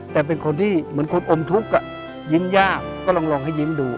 แต่เป็นคนที่เหมือนคนอมทุกข์ยิ้มยากก็ลองให้ยิ้มดู